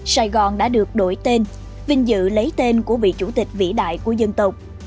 sài gòn đã được đổi tên vinh dự lấy tên của vị chủ tịch vĩ đại của dân tộc